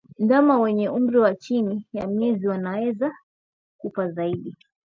Ndama wenye umri wa chini ya miezi wanaweza kufa zaidi